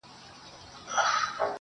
هغه ورځ په واک کي زما زړه نه وي_